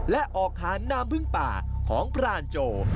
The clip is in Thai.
และออกหาน้ำพึ่งป่าของพรานโจ